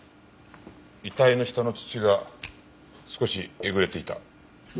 遺体の下の土が少しえぐれていた。